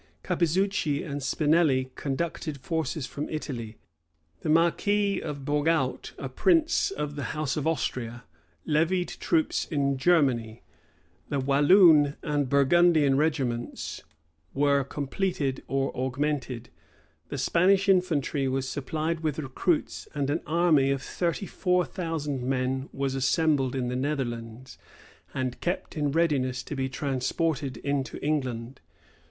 Capizuchi and Spinelli conducted forces from Italy: the marquis of Borgaut, a prince of the house of Austria, levied troops in Germany; the Walloon and Burgundian regiments were completed or augmented: the Spanish infantry was supplied with recruits and an army of thirty four thousand men was assembled in the Netherlands, and kept in readiness to be transported into England.